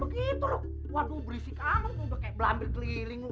e milk kenapa teriakan begitu juga berisik memang juga kayak belambir keliling lu ini